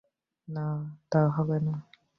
না, তা হবে না।